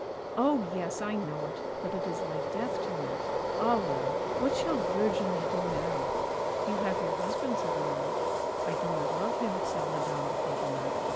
'Oh! yes, I know it; but it is like death to me! Ah, well, what shall Verginie do now?' 'You have your husband,' said Mary. 'I do not love him,' said Madame de Frontignac.